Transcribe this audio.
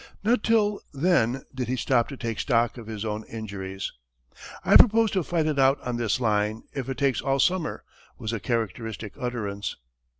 Not till then did he stop to take stock of his own injuries. "I propose to fight it out on this line, if it takes all summer," was a characteristic utterance.